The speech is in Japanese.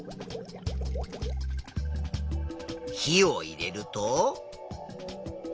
火を入れると。